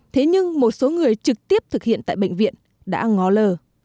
thế nhưng một số người trực tiếp thực hiện tại bệnh viện đã ngó lờ